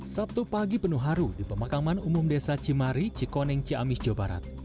sabtu pagi penuh haru di pemakaman umum desa cimari cikoning ciamisjo barat